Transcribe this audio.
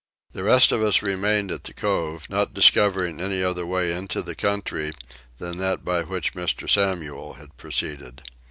The rest of us remained at the cove, not discovering any other way into the country than that by which Mr. Samuel had proceeded.